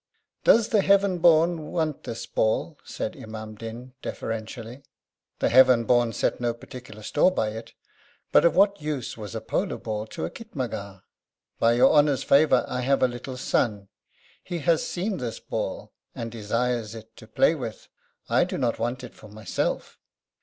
'Does the Heaven born want this ball?' said Imam Din deferentially. The Heaven born set no particular store by it; but of what use was a polo ball to a khitmatgar? 'By Your Honour's favour, I have a little son. He has seen this ball, and desires it to play with, I do not want it for myself.'